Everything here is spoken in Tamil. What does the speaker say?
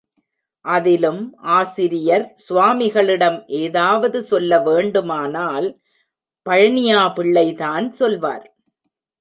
அதிலும் ஆசிரியர் சுவாமிகளிடம் ஏதாவது சொல்ல வேண்டுமானால் பழனியா பிள்ளை தான் சொல்வார்.